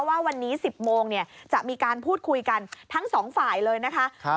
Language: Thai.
ว่าวันนี้๑๐โมงจะมีการพูดคุยกันทั้งสองฝ่ายเลยนะคะ